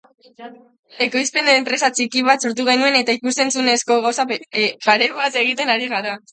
Ekoizpen-enpresa txiki bat sortu genuen eta ikus-entzunezko gauza pare bat egiten ari gara.